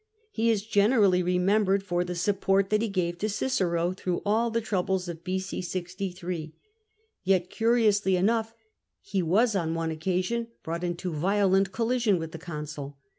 He is generally remembered for the support that he gave to Cicero through all the troubles of B.c. 63 0 210 CATO Yet curiously enough he was on one occasion broughu into violent collision with the consul.